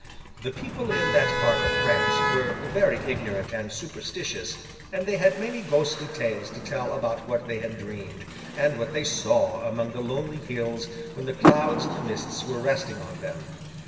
The people in that part of France were very ignorant and superstitious, and they had many ghostly tales to tell about what they had dreamed, and what they saw among the lonely hills when the clouds and the mists were resting on them.